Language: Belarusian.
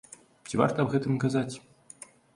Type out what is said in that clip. Ці варта аб гэтым казаць?